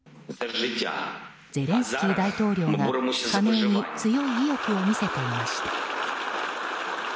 ゼレンスキー大統領が加盟に強い意欲を見せていました。